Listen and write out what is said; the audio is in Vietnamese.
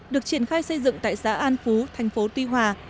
được triển khai xây dựng tại xã an phú thành phố tuy hòa